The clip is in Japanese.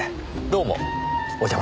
どうも。